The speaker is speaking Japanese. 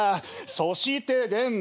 そして現在。